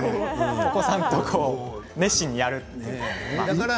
お子さんと熱心にやるというかね。